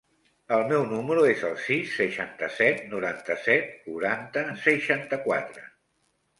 El meu número es el sis, seixanta-set, noranta-set, quaranta, seixanta-quatre.